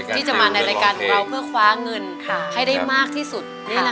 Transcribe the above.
ที่จะมาในรายการของเราเพื่อคว้าเงินให้ได้มากที่สุด